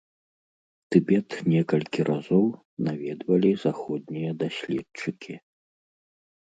Тыбет некалькі разоў наведвалі заходнія даследчыкі.